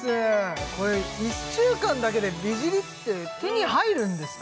これ１週間だけで美尻って手に入るんですか？